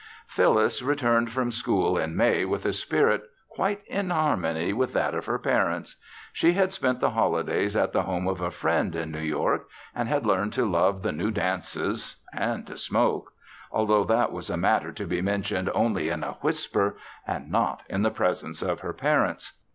Phyllis returned from school in May with a spirit quite in harmony with that of her parents. She had spent the holidays at the home of a friend in New York and had learned to love the new dances and to smoke, although that was a matter to be mentioned only in a whisper and not in the presence of her parents.